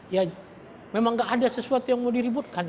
ya memang gak ada sesuatu yang mau diributkan